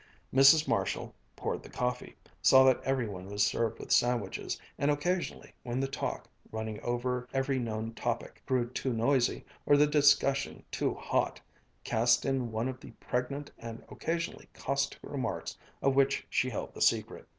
Mrs. Marshall poured the coffee, saw that every one was served with sandwiches, and occasionally when the talk, running over every known topic, grew too noisy, or the discussion too hot, cast in one of the pregnant and occasionally caustic remarks of which she held the secret.